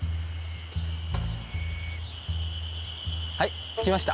はい着きました。